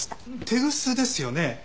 テグスですよね？